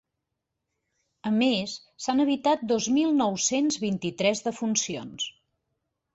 A més, s’han evitat dos mil nou-cents vint-i-tres defuncions.